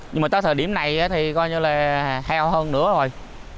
nhưng mà tới thời điểm này thì coi như là heo hơn nữa rồi